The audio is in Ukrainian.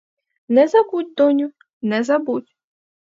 Не забудь, доню, не забудь!